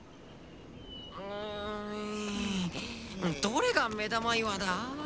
うんどれがめだまいわだ？